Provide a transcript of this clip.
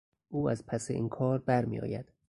او از پس این کار برمیآید.